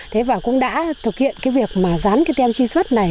thế và cũng đã thực hiện cái việc mà dán cái tem tri xuất này